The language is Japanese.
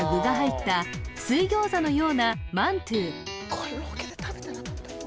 これロケで食べてなかったっけ？